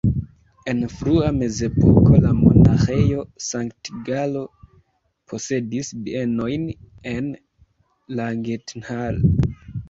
En frua mezepoko la Monaĥejo Sankt-Galo posedis bienojn en Langenthal.